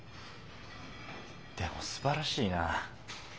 でもすばらしいなぁ。